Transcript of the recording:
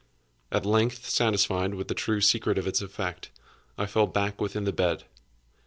At length, satisfied with the true secret of its effect, I fell back within the bed.